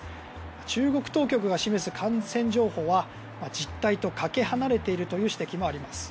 中国当局が示す感染情報は実態とかけ離れているという指摘もあります。